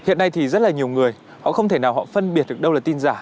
hiện nay thì rất là nhiều người họ không thể nào họ phân biệt được đâu là tin giả